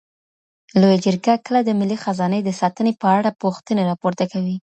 لویه جرګه کله د ملي خزاني د ساتني په اړه پوښتني راپورته کوي؟